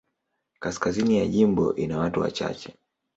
Kaskazini ya jimbo ina watu wachache.